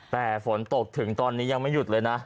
แต่ฝนตกถึงตอนนี้ยังไม่หยุดเลยนะ